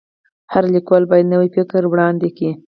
هر لیکوال باید نوی فکر وړاندي کړي.